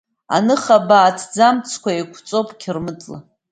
Аныхабаа аҭӡамцқәа еиқәҵоуп қьырмытла.